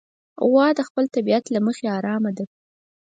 غوا د خپل طبیعت له مخې ارامه ده.